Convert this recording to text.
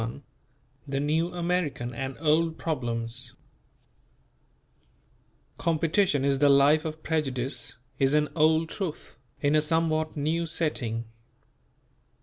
XXI THE NEW AMERICAN AND OLD PROBLEMS "Competition is the life of prejudice" is an old truth, in a somewhat new setting.